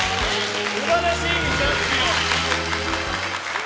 素晴らしいチャンピオン。